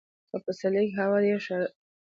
په پسرلي کي هوا ډېره ښه وي .